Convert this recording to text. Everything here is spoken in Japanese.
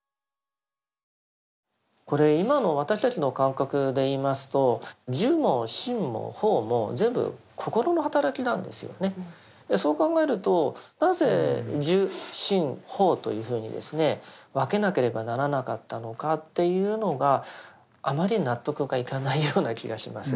これ今の私たちの感覚でいいますとそう考えるとなぜ受心法というふうに分けなければならなかったのかというのがあまり納得がいかないような気がします。